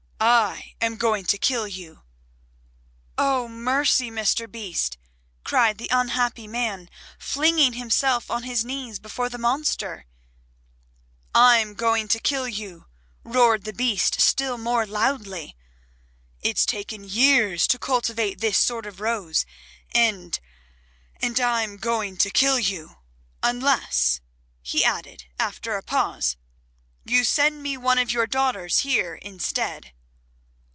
I am going to kill you." "Oh, mercy, Mr. Beast," cried the unhappy man, flinging himself on his knees before the monster. "I'm going to kill you," roared the Beast still more loudly. "It's taken years to cultivate this sort of rose, and and I'm going to kill you. Unless," he added after a pause, "you send me one of your daughters here instead."